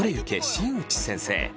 新内先生」。